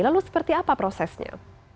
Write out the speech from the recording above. lalu seperti apa prosesnya